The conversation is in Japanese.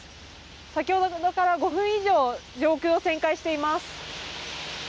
先ほどから５分以上上空を旋回しています。